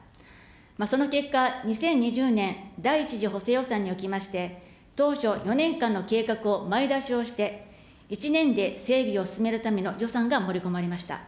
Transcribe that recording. その結果、２０２０年第１次補正予算におきまして、当初４年間の計画を前倒しをして、１年で整備を進めるための予算が盛り込まれました。